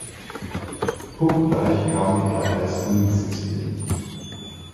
Punktgleich kamen die drei Ersten ins Ziel.